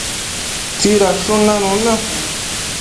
tsidadshun nanuna